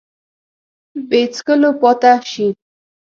بې څکلو پاته شي